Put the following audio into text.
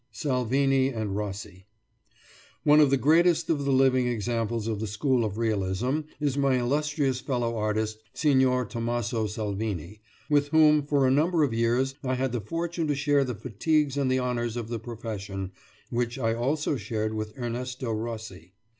SALVINI AND ROSSI One of the greatest of the living examples of the school of realism is my illustrious fellow artist, Signor Tommaso Salvini, with whom, for a number of years, I had the fortune to share the fatigues and the honours of the profession which I also shared with Ernesto Rossi.